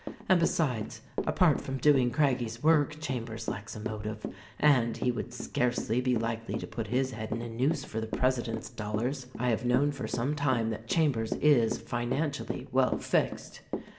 And besides, apart from doing Craggie's work Chambers lacks a motive — and he would scarcely be likely to put his head in a noose for the presi dent's dollars. I have known for some time that Chambers is, financially, well fixed.